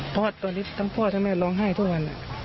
ทั้งพ่อทั้งแม่ร้องไห้ทั่ววัน